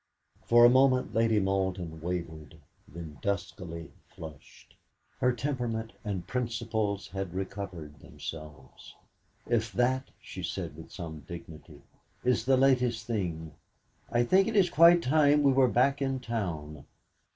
For a moment Lady Malden wavered, then duskily flushed; her temperament and principles had recovered themselves. "If that," she said with some dignity, "is the latest thing, I think it is quite time we were back in town."